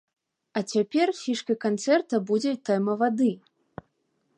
А цяпер фішкай канцэрта будзе тэма вады.